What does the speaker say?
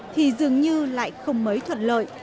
thì dường như lại không mấy thuận lợi